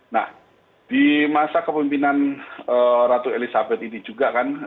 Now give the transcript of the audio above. nah di masa kepemimpinan ratu elizabeth ini juga kan